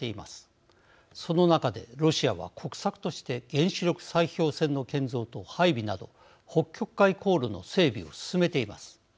その中でロシアは国策として原子力砕氷船の建造と配備など北極海航路の整備を進めています。